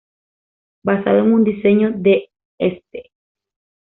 Basado en un diseño de St.